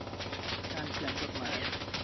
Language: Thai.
การเขียนจดหมาย